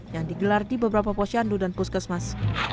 yang digelar di beberapa posyandu dan puskesmas